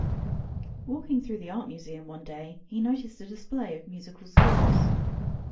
Walking through the art museum one day, he noticed a display of musical scores.